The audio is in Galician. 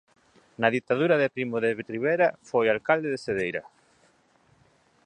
Na ditadura de Primo de Rivera foi alcalde de Cedeira.